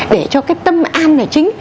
để cho cái tâm an là chính